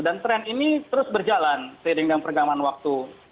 dan tren ini terus berjalan seiring dalam pergaman waktu